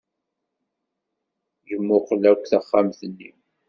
Yemmuqqel akk taxxamt-nni.